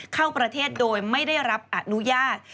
เข้าประเทศโดยไม่ได้รับอนุญาต